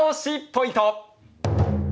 ポイント。